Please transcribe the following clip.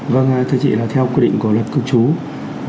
vâng thưa chị là theo quy định của luật cư trú